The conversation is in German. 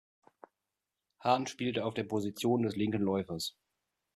Hahn spielte auf der Position des linken Läufers.